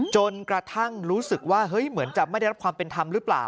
จนกระทั่งรู้สึกว่าเฮ้ยเหมือนจะไม่ได้รับความเป็นธรรมหรือเปล่า